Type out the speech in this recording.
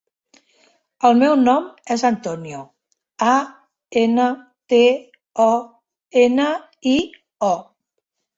El meu nom és Antonio: a, ena, te, o, ena, i, o.